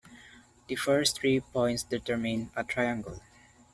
The first three points determine a triangle.